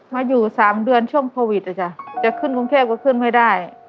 มาอยู่๓เดือนช่วงโควิดอ่ะจ้ะจะขึ้นกรุงเทพก็ขึ้นไม่ได้